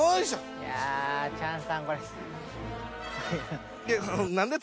いやチャンさんこれ。